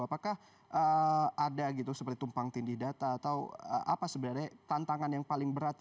apakah ada gitu seperti tumpang tindih data atau apa sebenarnya tantangan yang paling berat